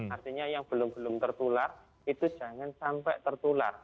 artinya yang belum belum tertular itu jangan sampai tertular